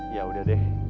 ya udah deh